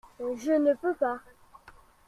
Je ne peux pas.